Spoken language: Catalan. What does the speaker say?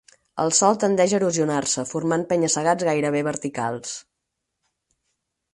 El sòl tendeix a erosionar-se, formant penya-segats gairebé verticals.